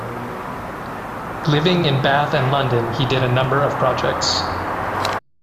Living in Bath and London he did a number of projects.